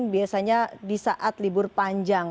biasanya di saat libur panjang